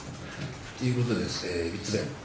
ということで３つ目。